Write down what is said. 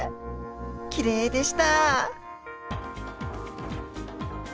きれいでした。